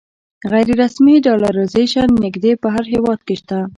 غیر رسمي ډالرایزیشن نږدې په هر هېواد کې شته.